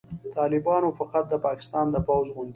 طالبان فقط د پاکستان د پوځ غوندې